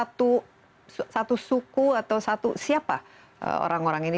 satu suku atau satu siapa orang orang ini